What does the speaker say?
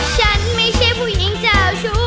ฉันไม่ใช่ผู้หญิงเจ้าชู้